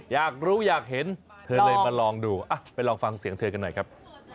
อยากรู้อยากเห็นเธอเลยมาลองดูไปลองฟังเสียงเธอกันหน่อยครับ